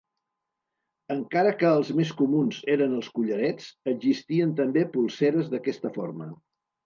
Encara que els més comuns eren els collarets, existien també polseres d'aquesta forma.